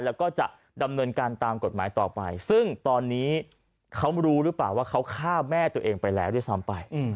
แล้วก็จะดำเนินการตามกฎหมายต่อไปซึ่งตอนนี้เขารู้หรือเปล่าว่าเขาฆ่าแม่ตัวเองไปแล้วด้วยซ้ำไป